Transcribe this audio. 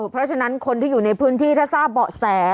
เพราะฉะนั้นคนที่อยู่ในพื้นที่ถ้าทราบเบาะแส